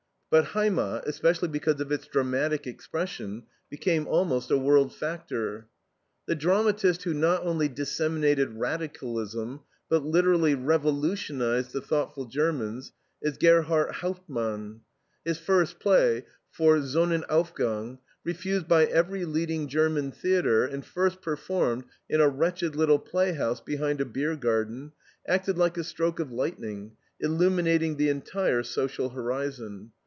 But HEIMAT, especially because of its dramatic expression, became almost a world factor. The dramatist who not only disseminated radicalism, but literally revolutionized the thoughtful Germans, is Gerhardt Hauptmann. His first play VOR SONNENAUFGANG, refused by every leading German theatre and first performed in a wretched little playhouse behind a beer garden, acted like a stroke of lightning, illuminating the entire social horizon.